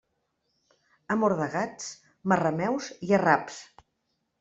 Amor de gats, marrameus i arraps.